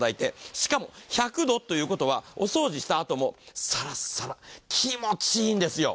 しかも１００度ということは、お掃除したあともサラサラ、気持ちいいんですよ。